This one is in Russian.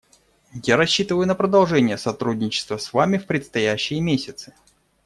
Я рассчитываю на продолжение сотрудничества с Вами в предстоящие месяцы.